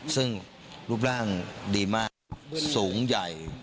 ซึ่งรูปร่างดีมากสูงใหญ่